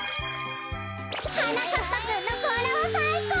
はなかっぱくんのこうらはさいこう！